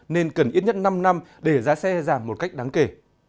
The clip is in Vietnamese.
nên cần ít nhất năm năm để giá xe giảm một cách đáng kể